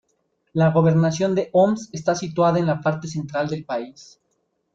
La Gobernación de Homs está situada en la parte central del país.